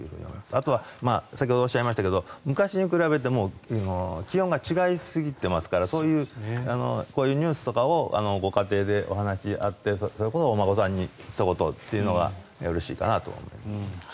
あとは先ほどおっしゃいましたが昔に比べて気温が違いすぎていますからこういうニュースとかをご家庭でお話し合ってそれこそお孫さんにひと言というのがうれしいかなと。